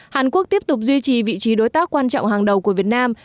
hàn quốc tiếp tục duy trì vị trí đối tác quan trọng hàng đầu của việt nam